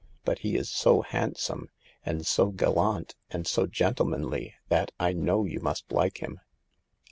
But he is so hand some, and so gallant, and so gentlemanly, that I know you must like him."